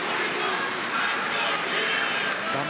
画面